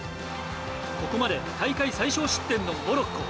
ここまで大会最少失点のモロッコ。